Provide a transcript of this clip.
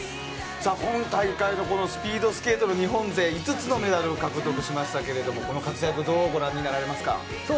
今大会のスピードスケートの日本勢５つのメダルを獲得しましたけれどもこの活躍どうご覧になられますか？